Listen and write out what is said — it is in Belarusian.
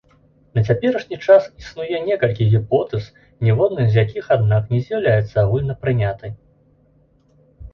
На цяперашні час існуе некалькі гіпотэз, ніводная з якіх, аднак, не з'яўляецца агульнапрынятай.